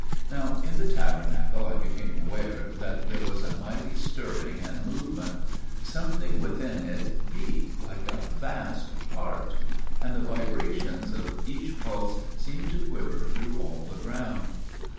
Now in the Tabernacle I became aware that there was a mighty stirring and movement. Something within it beat like a vast Heart, and the vibrations of each pulse seemed to quiver through all the ground.